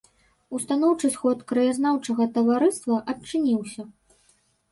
Устаноўчы сход краязнаўчага таварыства адчыніўся.